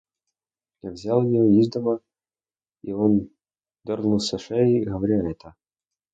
Я взял ее из дома, — и он дернулся шеей, говоря это.